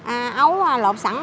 ấu luộc sẵn